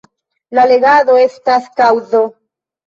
La legado estas kaŭzo.